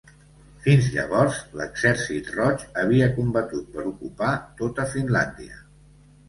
Fins llavors, l'Exèrcit Roig havia combatut per ocupar tota Finlàndia.